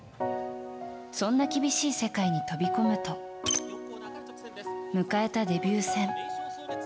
そんな厳しい世界に飛び込むと迎えたデビュー戦。